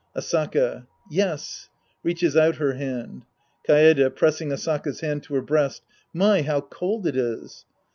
Asaka. Yes. {Reaches out her hand.) Kaede {pressing Asaka's hand to her breast). My, how cold it is